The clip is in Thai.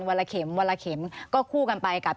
วันละเข็มก็คู่กันไปกับ